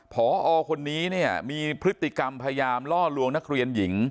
พอคนนี้เนี่ยมีพฤติกรรมพยายามล่อลวงนักเรียนหญิง